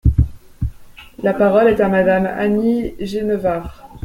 La parole est à Madame Annie Genevard.